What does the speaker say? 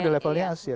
di levelnya asia